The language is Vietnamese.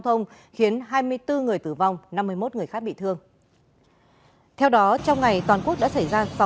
thông khiến hai mươi bốn người tử vong năm mươi một người khác bị thương theo đó trong ngày toàn quốc đã xảy ra